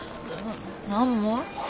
何も。